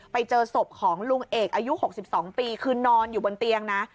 ไปเจอศพของลุงเอกอายุ๖๒ปีคือนอนอยู่บนเตียงนะ